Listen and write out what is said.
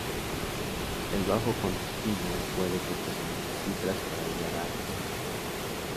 El bajo continuo puede contener ‘‘cifras‘‘ para guiar al ejecutante.